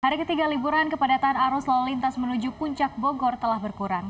hari ketiga liburan kepadatan arus lalu lintas menuju puncak bogor telah berkurang